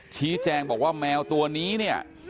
ชี้แจงบอกว่าแมวตัวนี้เนี่ย